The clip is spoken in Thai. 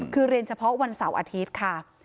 คือเรียนเฉพาะวันเสาร์อาทิตย์ค่ะ